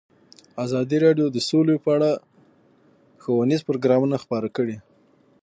ازادي راډیو د سوله په اړه ښوونیز پروګرامونه خپاره کړي.